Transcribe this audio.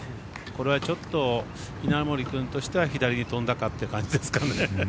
これはちょっと稲森君としては左に飛んだかって感じですかね。